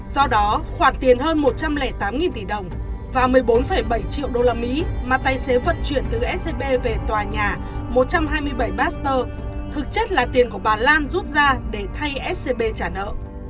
do đó khoản tiền hơn một trăm linh tám tỷ đồng và một mươi bốn bảy triệu usd mà tài xế vận chuyển từ scb về tòa nhà một trăm hai mươi bảy baster thực chất là tiền của bà lan rút ra để thay scb trả nợ